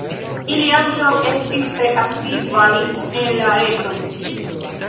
Ili ankaŭ estis tre aktivaj en la reto.